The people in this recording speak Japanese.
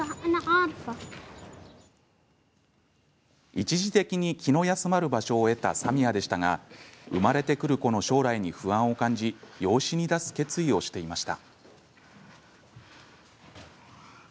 一時的に気の休まる場所を得たサミアでしたが生まれてくる子の将来に不安を感じ養子に出す決意をしていました。